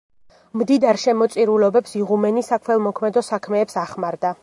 მდიდარ შემოწირულობებს იღუმენი საქველმოქმედო საქმეებს ახმარდა.